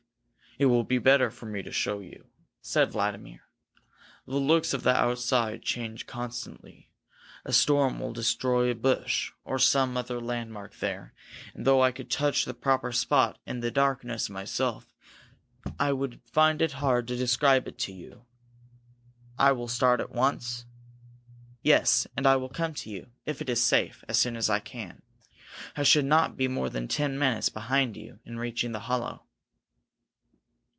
"It will be better for me to show you," said Vladimir. "The looks of the outside change constantly. A storm will destroy a bush, or some other landmark there, and, though I could touch the proper spot in the darkness myself, I would find it hard to describe it to you. I will start at once?" "Yes. And I will come to you, if it is safe, as soon as I can. I should not be more than ten minutes behind you in reaching the hollow."